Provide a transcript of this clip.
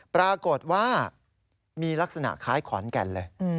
ปรากฏว่ามีลักษณะคล้ายขอนแก่นเลย